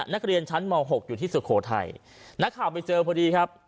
นักเรียนชั้นม๖อยู่ที่สุโขทัยนักข่าวไปเจอพอดีครับ